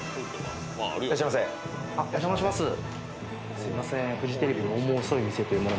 すいません。